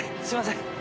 すいません。